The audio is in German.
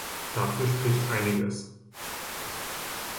Dafür spricht einiges.